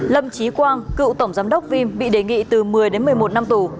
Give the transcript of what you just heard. lâm trí quang cựu tổng giám đốc vim bị đề nghị từ một mươi đến một mươi một năm tù